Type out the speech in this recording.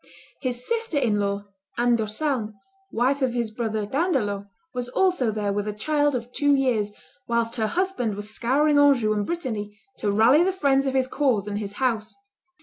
His sister in law, Anne do Salm, wife of his brother D'Andelot, was also there with a child of two years, whilst her husband was scouring Anjou and Brittany to rally the friends of his cause and his house.